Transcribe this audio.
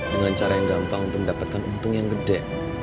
dengan cara yang gampang untuk mendapatkan empung yang gede